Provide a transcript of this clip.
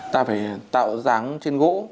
ta phải tạo dáng trên gũ